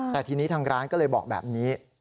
แต่ทีนี้ทางร้านก็เลยบอกแบบนี้